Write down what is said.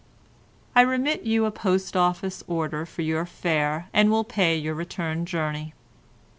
"I remit you a Post Office order for your fare, and will pay your return journey.